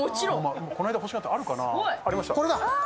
この間、欲しかったの、あるかな？